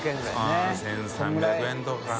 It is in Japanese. ◆舛１３００円とかかな？